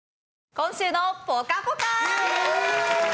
『今週のぽかぽか』